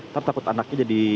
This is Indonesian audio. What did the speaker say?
takut takut anaknya jadi